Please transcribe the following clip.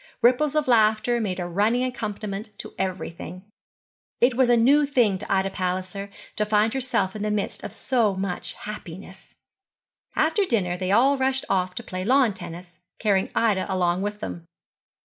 Ripples of laughter made a running accompaniment to everything. It was a new thing to Ida Palliser to find herself in the midst of so much happiness. After dinner they all rushed off to play lawn tennis, carrying Ida along with them.